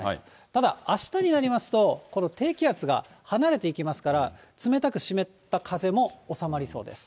ただ、あしたになりますと、この低気圧が離れていきますから、冷たく湿った風も収まりそうです。